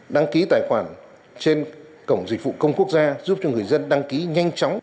đăng ký tài khoản trên cổng dịch vụ công quốc gia giúp cho người dân đăng ký nhanh chóng